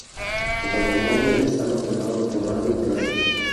Los automóviles están ordenados por rango y clases.